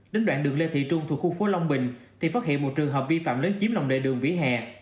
đến đoạn đường lê thị trung thuộc khu phố long bình thì phát hiện một trường hợp vi phạm lấn chiếm lòng đệ đường vỉa hè